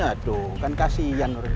aduh kan kasihan